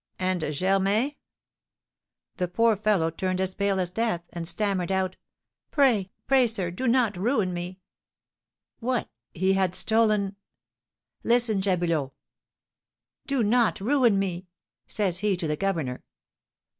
"And Germain?" "The poor fellow turned as pale as death, and stammered out, 'Pray pray, sir, do not ruin me '" "What! he had stolen " "Listen, Jabulot: 'Do not ruin me,' says he to the governor.